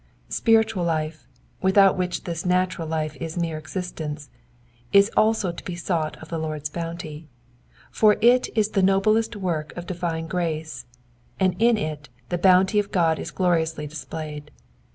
Spiritual life, without which this natural life is mere existence, is also to be sought of the Lord's bounty, for it is the noblest work of divine grace, and in it the bounty of God is gloriously displayed.